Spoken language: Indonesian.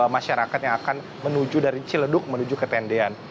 masyarakat yang akan menuju dari ciledug menuju ke tendean